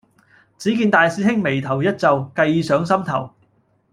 只見大師兄眉頭一皺，計上心頭